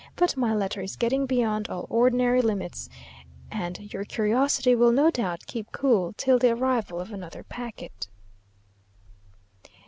But my letter is getting beyond all ordinary limits, and your curiosity will no doubt keep cool till the arrival of another packet.